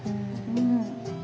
うん。